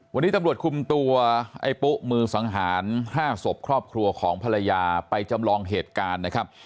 วันนี้ตำรวจคุมตัวไอ้ปุ๊มือสังหาร๕ศพครอบครัวของภรรยาไปจำลองเหตุการณ์นะครับ